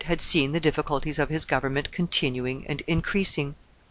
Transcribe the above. had seen the difficulties of his government continuing and increasing.